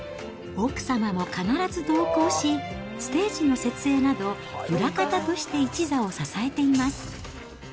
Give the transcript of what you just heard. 奥様も必ず同行し、ステージの設営など、裏方として一座を支えています。